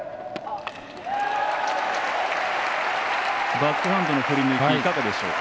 バックハンドの振り抜きいかがでしょうか。